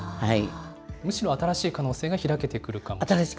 むしろ新しい可能性が開けてくるかもしれない？